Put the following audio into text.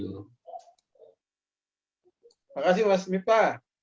terima kasih pak smipa